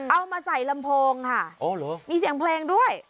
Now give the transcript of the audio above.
เอามาใส่ลำโพงค่ะมีเสียงเพลงด้วย